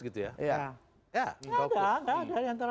ya ada antara antara